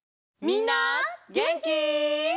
みんなげんき？